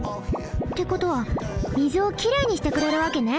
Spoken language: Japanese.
ってことは水をきれいにしてくれるわけね。